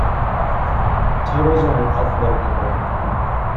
Titles are in alphabetical order.